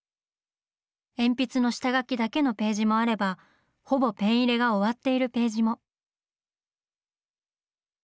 鉛筆の下描きだけのページもあればほぼペン入れが終わっているページも。